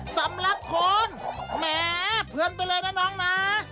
สำหรับคนแหมเพื่อนไปเลยนะน้องนะ